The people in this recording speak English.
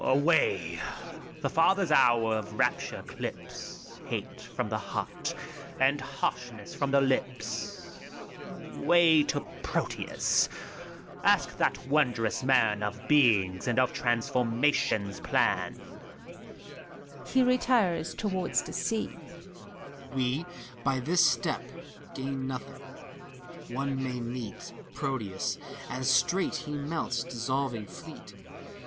Away I the father's hour of rapture clips Hate from the heart, and harshness from the lips. Away to Proteus ! Ask that wondrous man Of Being's and of Transformation's plan I {He retires towards the sea, THALES. We, by this step, gain nothing : one may meet ACT 11. 121 Proteus, and straight he melts, dissolving fleet.